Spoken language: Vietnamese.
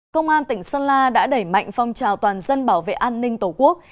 công an tỉnh sơn la đã đẩy mạnh phong trào toàn dân bảo vệ an ninh tổ quốc